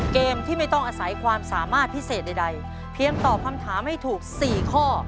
เกมที่ไม่ต้องอาศัยความสามารถพิเศษใดเพียงตอบคำถามให้ถูก๔ข้อ